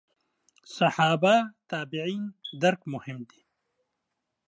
صحابه تابعین درک مهم دي.